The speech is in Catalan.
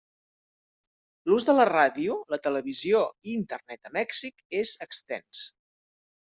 L'ús de la ràdio, la televisió i Internet a Mèxic és extens.